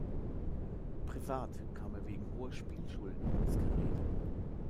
Privat kam er wegen hoher Spielschulden ins Gerede.